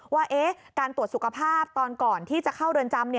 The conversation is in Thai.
ว่าการตรวจสุขภาพตอนก่อนที่จะเข้าเรือนจำ